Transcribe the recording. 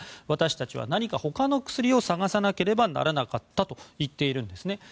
私たちは何か他の薬を探さなければならなかったと言っているんですね。